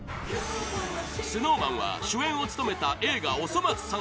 ＳｎｏｗＭａｎは主演を務めた映画「おそ松さん」